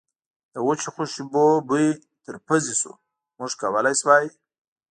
د وچو خوشبو بوی تر پوزې شو، موږ کولای شوای.